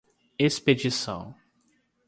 expedição